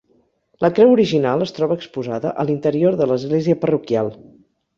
La creu original es troba exposada a l'interior de l'església parroquial.